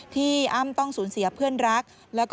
อ้ำต้องสูญเสียเพื่อนรัก